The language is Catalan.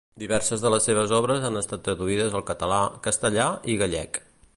Diverses de les seves obres han estat traduïdes al català, castellà i gallec.